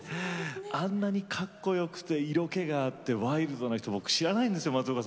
あんなにかっこよくて色気があってワイルドな人僕知らないんですよ。